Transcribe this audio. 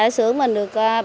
ở sưởng mình được